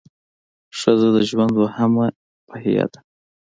ښځه د ژوند دویمه پهیه ده.